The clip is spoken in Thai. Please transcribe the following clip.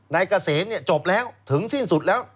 เกษมจบแล้วถึงสิ้นสุดแล้ว